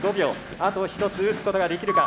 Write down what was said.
あと一つ打つことができるか？